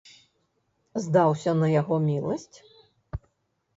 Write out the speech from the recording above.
Здаўся на яго міласць?